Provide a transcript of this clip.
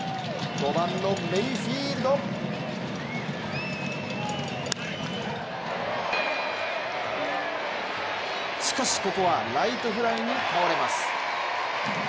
５番のメイフィールドしかしここはライトフライに倒れます。